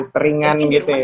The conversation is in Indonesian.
peringan gitu ya